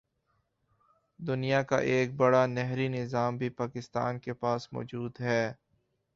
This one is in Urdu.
دنیا کا ایک بڑا نہری نظام بھی پاکستان کے پاس موجود ہے